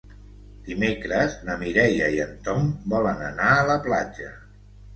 Dimecres na Mireia i en Tom volen anar a la platja.